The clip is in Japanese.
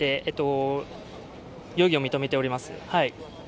容疑を認めております。